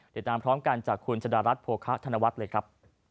เดี๋ยวตามพร้อมกันจากคุณสดารัฐโภคาธนวัติเลยครับ